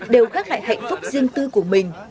đều khắc lại hạnh phúc riêng tư của mình